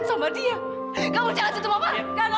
sampai jumpa di video selanjutnya